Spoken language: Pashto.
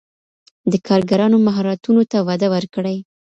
د کارګرانو مهارتونو ته وده ورکړئ.